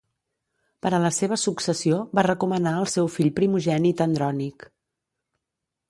Per a la seva successió va recomanar el seu fill primogènit Andrònic.